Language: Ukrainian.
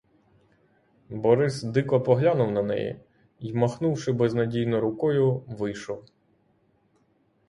Борис дико поглянув на неї й, махнувши безнадійно рукою, вийшов.